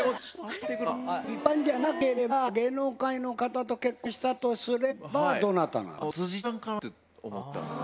一般じゃなければ芸能界の方と結婚したとすればどなたなんですか？